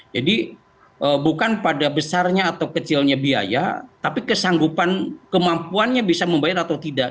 jadi bukan pada besarnya atau kecilnya biaya tapi kesanggupan kemampuannya bisa membayar atau tidak